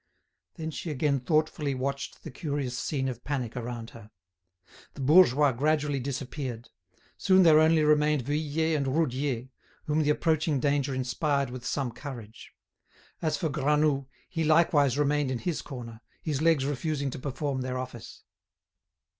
Then she again thoughtfully watched the curious scene of panic around her. The bourgeois gradually disappeared; soon there only remained Vuillet and Roudier, whom the approaching danger inspired with some courage. As for Granoux, he likewise remained in his corner, his legs refusing to perform their office.